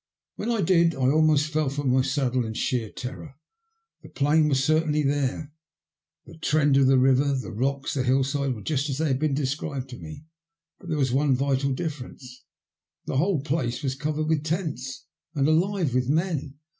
When I did, I almost fell from my saddle in sheer terror. The plain was certainly there, the trend of the river, the rocks and the hillside were just as they had been described to me, but there was one vital difference — the whole place was covered with tents, and alive with men.